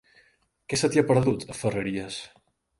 Què se t'hi ha perdut, a Ferreries?